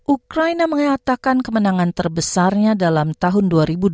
ukraina mengatakan kemenangan terbesarnya dalam tahun dua ribu dua puluh